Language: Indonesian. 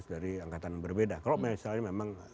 dari angkatan berbeda kalau misalnya memang